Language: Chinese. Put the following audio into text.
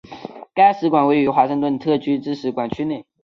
该使馆位于华盛顿特区之使馆区内。